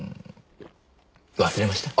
忘れました。